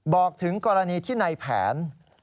บอกถึงกรณีที่ในแผน